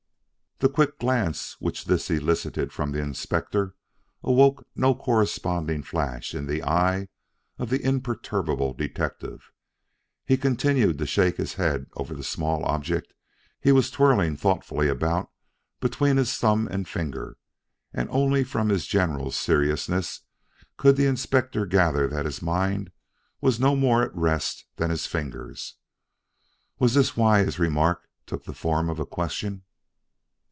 The quick glance which this elicited from the Inspector awoke no corresponding flash in the eye of the imperturbable detective. He continued to shake his head over the small object he was twirling thoughtfully about between his thumb and finger, and only from his general seriousness could the Inspector gather that his mind was no more at rest than his fingers. Was this why his remark took the form of a question?